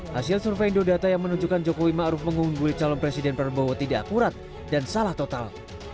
hasil survei indodata yang menunjukkan jokowi ma'ruf mengunggul calon presiden prabowo tidak akurat dan salah total